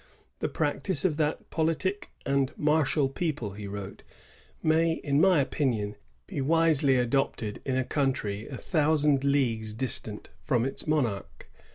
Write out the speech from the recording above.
"The practice of that politic and martial people," he wrote, " may, in my opinion, be wisely adopted in a country a thousand leagues distant from its monarch.